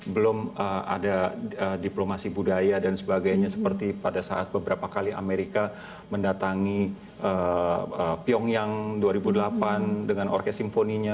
belum ada diplomasi budaya dan sebagainya seperti pada saat beberapa kali amerika mendatangi pyongyang dua ribu delapan dengan orkesymfonia